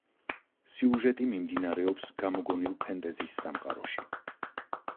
სიუჟეტი მიმდინარეობს გამოგონილ ფენტეზის სამყაროში.